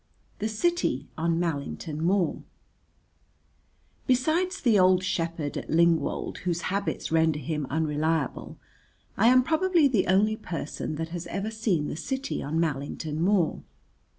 The City on Mallington Moor Besides the old shepherd at Lingwold whose habits render him unreliable I am probably the only person that has ever seen the city on Mallington Moor.